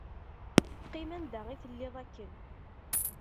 Qqim anda i telliḍ akken.